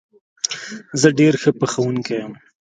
زه ډېره ښه پخوونکې یم